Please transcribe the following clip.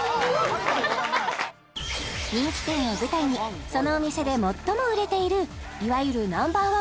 人気店を舞台にそのお店で最も売れているいわゆるＮｏ．１